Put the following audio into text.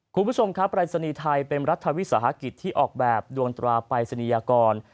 คุณผู้ชมครับปรายศนีย์ไทยเป็นรัฐวิสาหกิจที่ออกแบบดวงตราปรายศนียากร